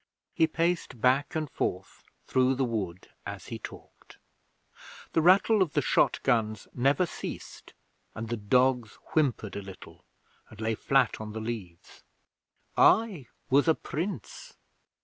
He paced back and forth through the wood as he talked. The rattle of the shot guns never ceased, and the dogs whimpered a little and lay flat on the leaves. 'I was a Prince.